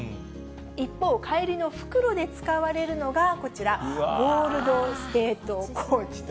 一方、帰りの復路で使われるのがこちら、ゴールド・ステート・コーチという。